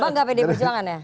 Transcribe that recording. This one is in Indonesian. bangga pd berjuangan ya